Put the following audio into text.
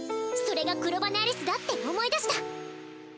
それが黒羽アリスだって思い出した。